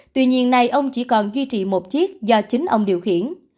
tuy nhiên này ông chỉ còn duy trì một chiếc do chính ông điều khiển